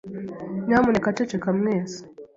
Nyamuneka ceceka, mwese.